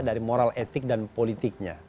dari moral etik dan politiknya